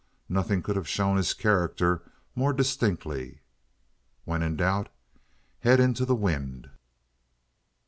Nothing could have shown his character more distinctly. When in doubt, head into the wind.